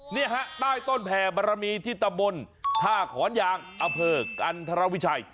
นี่ฮะใต้ต้นแผ่บรมีที่ตำบลท่าขอนยางอเภอกันธรวิชัย